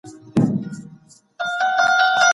چي راغله بيا چي تلله